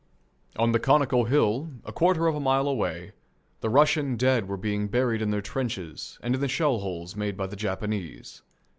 On the conical hill, a quarter of a mile away, the Russian dead were being buried in their trenches and in the shell holes made by the Japanese.